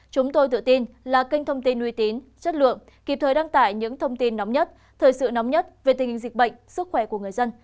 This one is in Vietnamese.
chúng tôi tự tin là kênh thông tin uy tín chất lượng kịp thời đăng tải những thông tin nóng nhất thời sự nóng nhất về tình hình dịch bệnh sức khỏe của người dân